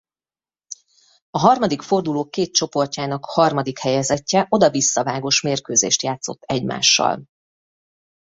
A harmadik forduló két csoportjának harmadik helyezettje oda-visszavágós mérkőzést játszott egymással.